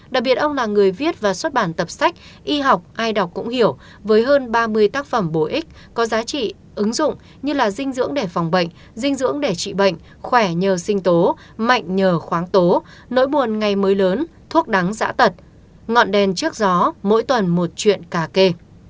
đặc biệt ông là người viết và xuất bản tập sách y học ai đọc cũng hiểu với hơn ba mươi tác phẩm bổ ích có giá trị ứng dụng như là dinh dưỡng để phòng bệnh dinh dưỡng để trị bệnh khỏe nhờ sinh tố mạnh nhờ khoáng tố nỗi buồn ngày mới lớn thuốc đắng giã tật ngọn đèn trước gió mỗi tuần một chuyện cà phê